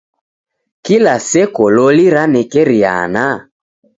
Kila seko loli ranekeriana?